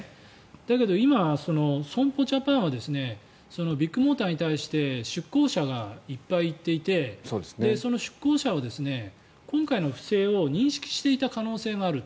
だけど今、損保ジャパンはビッグモーターに対して出向者がいっぱい行っていてその出向者が今回の不正を認識していた可能性もある。